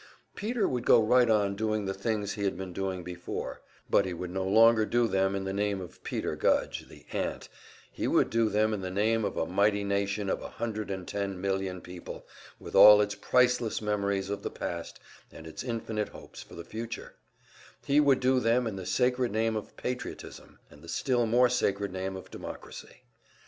Peter would go right on doing the things he had been doing before; but he would no longer do them in the name of Peter Gudge, the ant, he would do them in the name of a mighty nation of a hundred and ten million people, with all its priceless memories of the past and its infinite hopes for the future; he would do them in the sacred name of patriotism, and the still more sacred name of democracy.